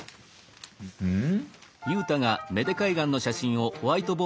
うん？